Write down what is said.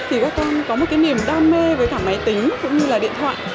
thì các con có một cái niềm đam mê với cả máy tính cũng như là điện thoại